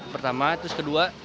pertama terus kedua